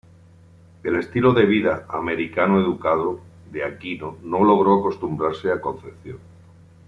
El estilo de vida "americano-educado" de Aquino no logró acostumbrarse a Concepción.